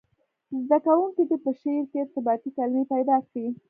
زده کوونکي دې په شعر کې ارتباطي کلمي پیدا کړي.